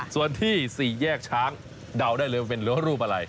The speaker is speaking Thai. ส่วนที่๔แยกช้างเดาได้เลยว่าเป็นรั้วรูปอะไร